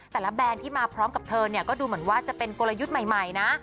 แบรนด์ที่มาพร้อมกับเธอเนี่ยก็ดูเหมือนว่าจะเป็นกลยุทธ์ใหม่นะ